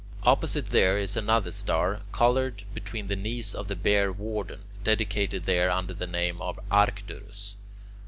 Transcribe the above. Opposite there is another star, coloured, between the knees of the Bear Warden, dedicated there under the name of Arcturus.